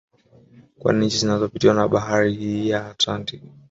Kwa nchi zinazopitiwa na Bahari hii ya Atlantiki